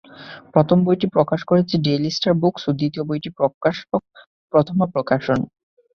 প্রথম বইটি প্রকাশ করেছে ডেইলি স্টার বুকস এবং দ্বিতীয়টির প্রকাশক প্রথমা প্রকাশন।